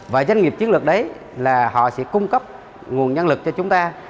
và doanh nghiệp chiến lược đấy là họ sẽ cung cấp nguồn nhân lực cho chúng ta